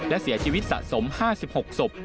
และเสียชีวิตสะสม๕๖ศพ